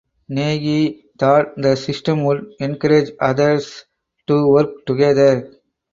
Negi thought the system would encourage others to work together.